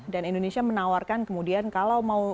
dan indonesia menawarkan kemudian kalau mau